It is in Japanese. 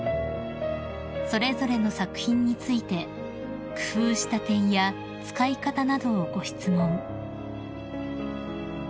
［それぞれの作品について工夫した点や使い方などをご質問］